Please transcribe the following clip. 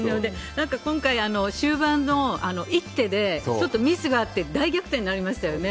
なんか今回、終盤の一手でちょっとミスがあって、大逆転になりましたよね。